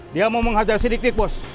dia mau menghajar sidik sidik bos